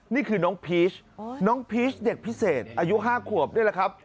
นี่คือน้องพีชน้องพีชเด็กพิเศษอายุ๕ขวบนี่แหละครับ